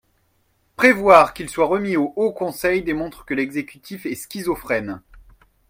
Prévoir qu’il soit remis au Haut Conseil démontre que l’exécutif est schizophrène